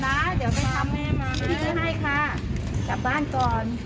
เอาให้มานะ